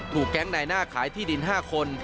ถูกแก๊งในหน้าขายที่ดิน๕คน